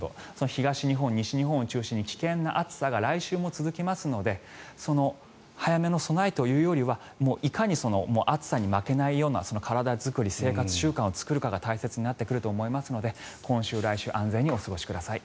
東日本、西日本を中心に危険な暑さが来週も続きますので早めの備えというよりはいかに暑さに負けないような体作り、生活習慣を作るかが大切になってくると思いますので今週、来週安全にお過ごしください。